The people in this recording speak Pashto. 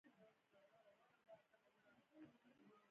زده کوونکي دې د متن هر پراګراف په لوړ غږ ووايي.